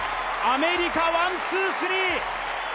アメリカワン・ツー・スリー！